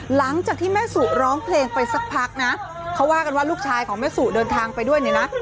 หลังจากที่แม่สุร้องเพลงไปสักพักนะเขาว่ากันว่าลูกชายของแม่สุเดินทางไปด้วยเนี่ยนะ